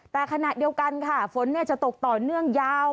แต่ขณะเดียวกันค่ะฝนจะตกต่อเนื่องยาว